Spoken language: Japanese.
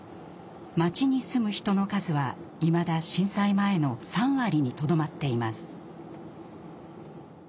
町に住む人の数はいまだ震災前の３割にとどまっています。